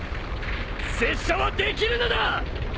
拙者はできるのだ！